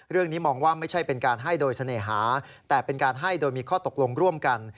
เรื่องนี้มองว่าไม่ใช่เป็นการให้โดยเสน่หาแต่เป็นการให้โดยมีข้อตกลงร่วมกัน